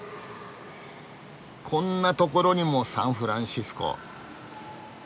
こんなところにも「サンフランシスコ」。